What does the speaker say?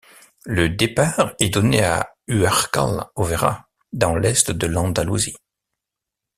Le départ est donné à Huércal Overa, dans l'est de l'Andalousie.